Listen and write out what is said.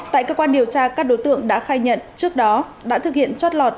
tại cơ quan điều tra các đối tượng đã khai nhận trước đó đã thực hiện trót lọt